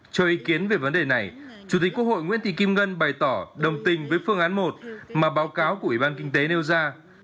cho ý kiến về vấn đề này chủ tịch quốc hội nguyễn thị kim ngân bày tỏ đồng tình với phương án một mà báo cáo của ủy ban kinh tế nêu ra